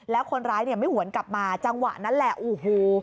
แล้วคนร้ายเนี่ยไม่หวนกลับมาจังหวะนั้นแหละโอ้โห